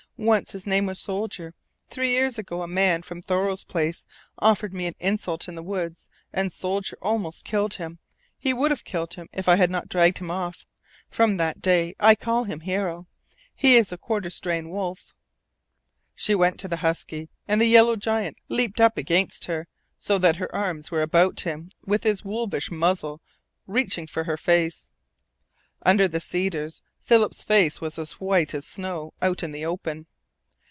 "Once his name was Soldier. Three years ago a man from Thoreau's Place offered me an insult in the woods, and Soldier almost killed him. He would have killed him if I had not dragged him off. From that day I called him Hero. He is a quarter strain wolf." She went to the husky, and the yellow giant leaped up against her, so that her arms were about him, with his wolfish muzzle reaching for her face. Under the cedars Philip's face was as white as the snow out in the open.